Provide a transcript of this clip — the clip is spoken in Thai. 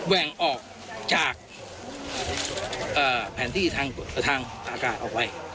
แหว่งออกจากแผนที่ทางอากาศออกไป